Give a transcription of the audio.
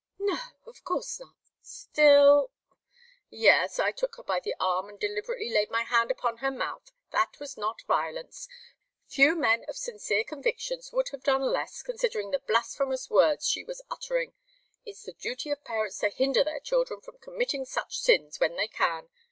"No of course not! Still " "Yes. I took her by the arm and deliberately laid my hand upon her mouth. That was not violence. Few men of sincere convictions would have done less, considering the blasphemous words she was uttering. It's the duty of parents to hinder their children from committing such sins, when they can.